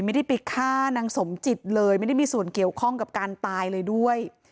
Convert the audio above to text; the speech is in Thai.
ไม่ได้ไปฆ่านางสมจิตเลยไม่ได้มีส่วนเกี่ยวข้องกับการตายเลยด้วย